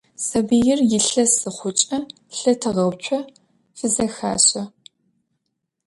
Сабыир илъэс зыхъукӀэ, лъэтегъэуцо фызэхащэ.